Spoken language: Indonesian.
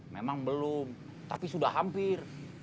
memang belum tapi sudah hampir